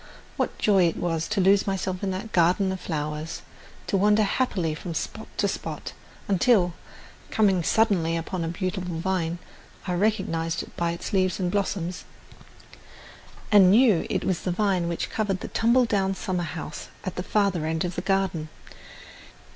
What joy it was to lose myself in that garden of flowers, to wander happily from spot to spot, until, coming suddenly upon a beautiful vine, I recognized it by its leaves and blossoms, and knew it was the vine which covered the tumble down summer house at the farther end of the garden!